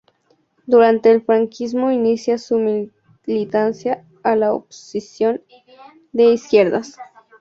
Durante el franquismo inicia su militancia en la oposición de izquierdas.